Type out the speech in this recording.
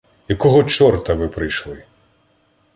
Якого чорта ви прийшли?